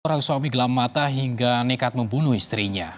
orang suami gelap mata hingga nekat membunuh istrinya